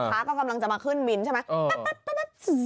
ลูกค้ากำลังจะมาขึ้นวินใช่ไหม